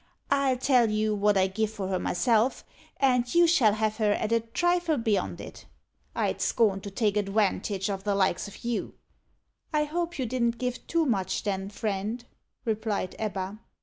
I'll tell you wot I give for her myself, and you shall have her at a trifle beyond it. I'd scorn to take adwantage o' the likes o' you." "I hope you didn't give too much, then, friend," replied Ebba.